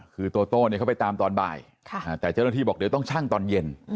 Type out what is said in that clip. คือโตโต้เขาไปตามตอนบ่ายแต่เจ้าหน้าที่บอกเดี๋ยวต้องชั่งตอนเย็น